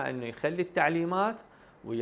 dan tidak dapat kemajuan